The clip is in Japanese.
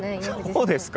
そうですか？